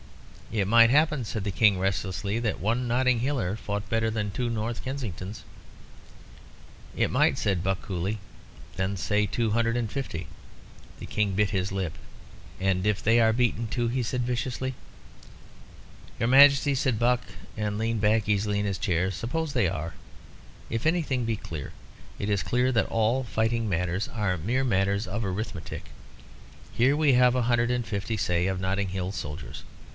"It might happen," said the King, restlessly, "that one Notting Hiller fought better than two North Kensingtons." "It might," said Buck, coolly; "then say two hundred and fifty." The King bit his lip. "And if they are beaten too?" he said viciously. "Your Majesty," said Buck, and leaned back easily in his chair, "suppose they are. If anything be clear, it is clear that all fighting matters are mere matters of arithmetic. Here we have a hundred and fifty, say, of Notting Hill soldiers.